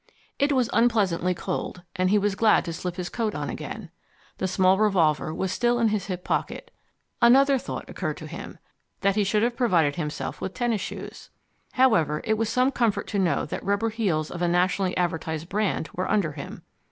It was unpleasantly cold, and he was glad to slip his coat on again. The small revolver was still in his hip pocket. Another thought occurred to him that he should have provided himself with tennis shoes. However, it was some comfort to know that rubber heels of a nationally advertised brand were under him.